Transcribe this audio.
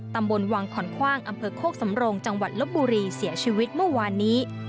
ตำบลวังขอนคว่างอำเภอโคกสำโรงจังหวัดลบบุรีเสียชีวิตเมื่อวานนี้